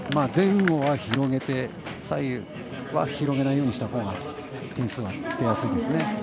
前後は広げて左右は広げないようにしたほうが点数は出やすいですね。